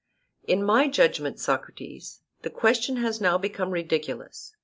In my judgment, Socrates, the question has now become ridiculous.